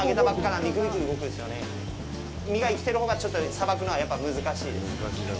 だけん、身が生きてるほうがちょっとさばくのはやっぱり難しいです。